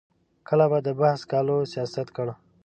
کله به د بحث سکالو سیاست کړ.